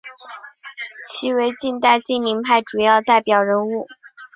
其为近代金陵派主要代表人物。